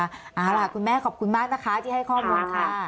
เอาล่ะคุณแม่ขอบคุณมากนะคะที่ให้ข้อมูลค่ะ